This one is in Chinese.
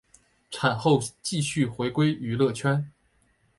产后继续回归娱乐圈。